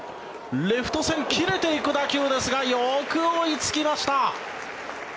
レフト線切れていく打球ですがよく追いつきました。